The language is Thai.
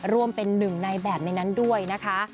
ร่วมเป็นหนึ่งในแบบในนั้นด้วยนะคะ